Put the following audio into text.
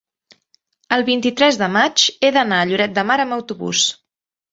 el vint-i-tres de maig he d'anar a Lloret de Mar amb autobús.